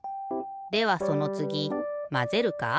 ではそのつぎまぜるか？